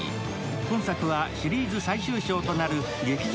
今作はシリーズ最終章となる劇場